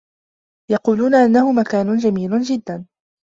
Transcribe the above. يقولون أنه مكان جميل جدّا.